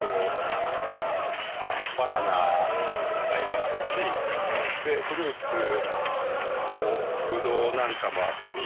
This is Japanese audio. バナナも買いましたしフルーツをブドウなんかもあったり。